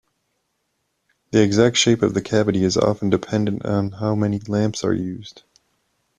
The exact shape of the cavity is often dependent on how many lamps are used.